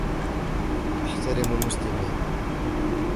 أحترم المسلمين.